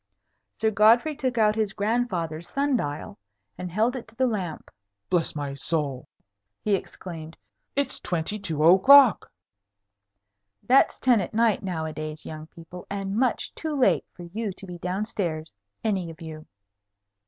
Sir Godfrey took out his grandfather's sun dial, and held it to the lamp. "Bless my soul," he exclaimed; "it's twenty two o'clock." (That's ten at night nowadays, young people, and much too late for you to be down stairs, any of you.)